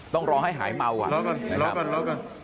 ต้องรอให้หายเมาอ่ะรอก่อนรอก่อน